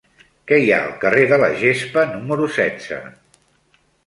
Què hi ha al carrer de la Gespa número setze?